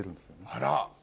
あら！